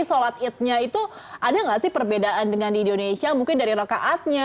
sholat idnya itu ada nggak sih perbedaan dengan di indonesia mungkin dari rokaatnya